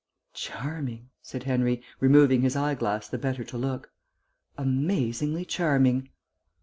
"Charming," said Henry, removing his eyeglass the better to look. "Amazingly charming."